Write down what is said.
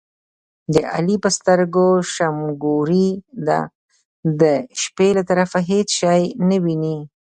د علي په سترګو شمګوري ده، د شپې له طرفه هېڅ شی نه ویني.